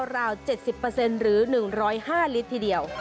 ราว๗๐หรือ๑๐๕ลิตรทีเดียว